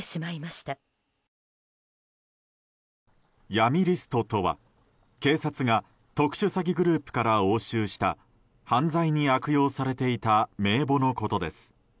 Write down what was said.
闇リストとは、警察が特殊詐欺グループから押収した犯罪に悪用されていた名簿のことです。